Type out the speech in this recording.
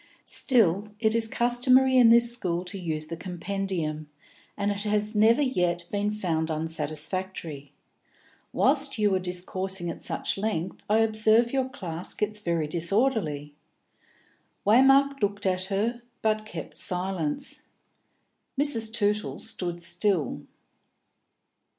"Still, it is customary in this school to use the compendium, and it has never yet been found unsatisfactory. Whilst you are discoursing at such length, I observe your class gets very disorderly." Waymark looked at her, but kept silence. Mrs. Tootle stood still.